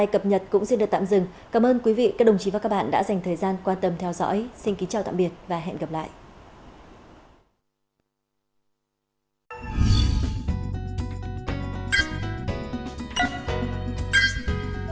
cảnh sát điều tra bộ công an